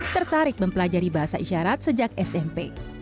tertarik mempelajari bahasa isyarat sejak smp